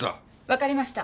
わかりました。